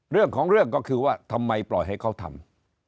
เรื่องของเรื่องก็คือว่าทำไมปล่อยให้เขาทำ